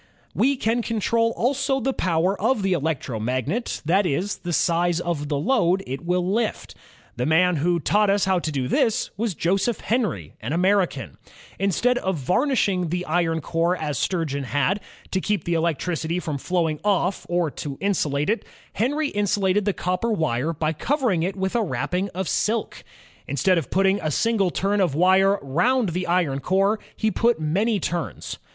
We can control also the power of the electromagnet, that is, the size of the load it will lift. The man who taught us how to do this was Joseph Henry, an American, Instead of varnishing the iron core as Sturgeon had done, ELECTRIC ENGINE AND ELECTRIC LOCOMOTIVE 79 to keep the electricity from flowing off, or to insulate it, Henry insulated the copper wire by covering it with a wrapping of silk. Instead of putting a single turn of wire round the iron core, he put many turns.